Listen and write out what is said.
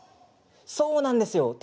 そうなんですよ。